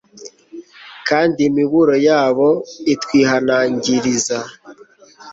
kandi imiburo yabo itwihanangiriza